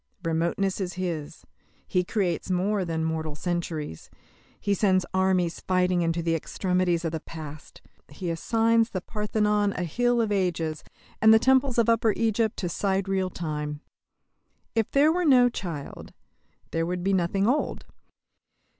Remoteness is his. He creates more than mortal centuries. He sends armies fighting into the extremities of the past. He assigns the Parthenon to a hill of ages, and the temples of Upper Egypt to sidereal time. If there were no child, there would be nothing old.